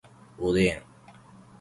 おでん